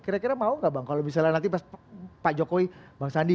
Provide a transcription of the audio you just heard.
kira kira mau nggak bang kalau misalnya nanti pak jokowi bang sandi